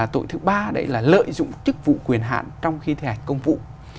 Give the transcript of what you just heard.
tội thứ ba đấy là lợi dụng chức vụ quyền hạn trong khi thiệt hạn công vụ